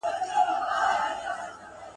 په جنازه کي یې اویا زرو ملکو ژړل ..